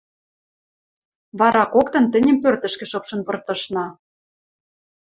Вара коктын тӹньӹм пӧртӹшкӹ шыпшын пыртышна.